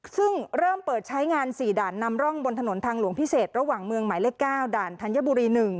ซึ่งเริ่มเปิดใช้งาน๔ด่านนำร่องบนถนนทางหลวงพิเศษระหว่างเมืองหมายเลข๙ด่านธัญบุรี๑